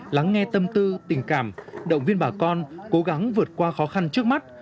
lắng nghe tâm tư tình cảm động viên bà con cố gắng vượt qua khó khăn trước mắt